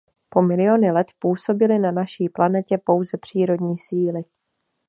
Po miliony let působily na naší planetě pouze přírodní síly.